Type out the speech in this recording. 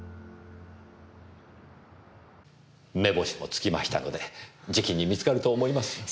目星もつきましたのでじきに見つかると思います。